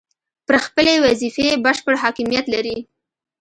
پر خپلې وظیفې بشپړ حاکمیت لري.